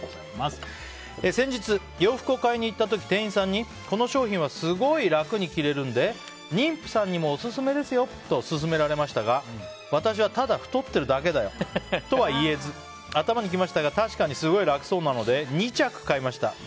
先日、洋服を買いに行った時店員さんにこの商品はすごい楽に着れるので妊婦さんにもオススメですよと勧められましたが私は、ただ太っているだけだよとは言えず頭にきましたが確かにすごく楽そうなので２着買いました。